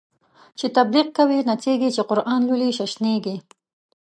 چی تبلیغ کوی نڅیږی، چی قران لولی ششنیږی